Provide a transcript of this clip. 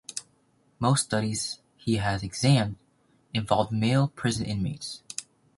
Most studies he has examined involve male prison inmates.